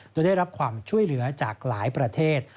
โดยได้รับความช่วยเหลือจากหลายประเทศ